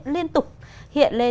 liên tục hiện lên